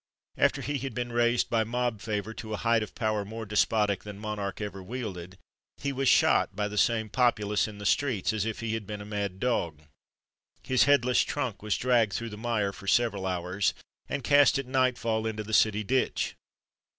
After he had been raised by mob favour to a height of power more despotic than monarch ever wielded, he was shot by the same populace in the streets, as if he had been a mad dog. His headless trunk was dragged through the mire for several hours, and cast at night fall into the city ditch.